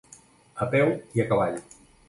A peu i a cavall.